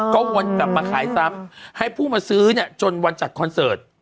ก็วนกลับมาขายซ้ำให้ผู้มาซื้อเนี่ยจนวันจัดคอนเสิร์ต